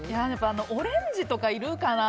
オレンジとかいるかな？